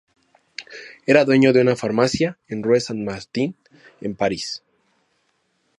Era dueño de una farmacia en Rue Saint-Martin en París.